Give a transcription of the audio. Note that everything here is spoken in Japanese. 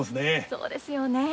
そうですよね。